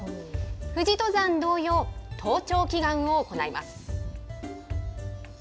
富士登山同様、登頂祈願を行います。